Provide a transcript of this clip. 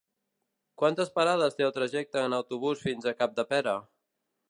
Quantes parades té el trajecte en autobús fins a Capdepera?